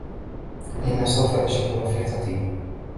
اين سوف اجد رفيقتي؟